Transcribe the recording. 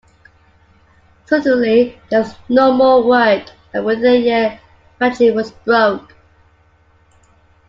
Suddenly, there was no more work, and within a year Franchi was broke.